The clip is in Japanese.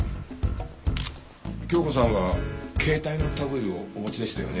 鏡子さんは携帯の類いをお持ちでしたよね？